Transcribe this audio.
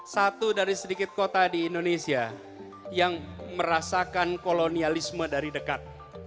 satu dari sedikit kota di indonesia yang merasakan kolonialisme dari dekat